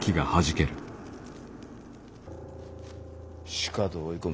しかと追い込め。